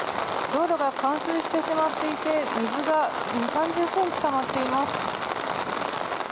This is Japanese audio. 道路が冠水してしまっていて水が２０３０ｃｍたまっています。